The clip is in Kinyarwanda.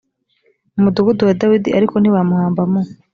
mu mudugudu wa dawidi ariko ntibamuhamba mu